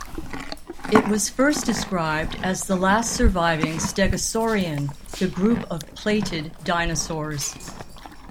It was first described as the last surviving stegosaurian, the group of "plated" dinosaurs.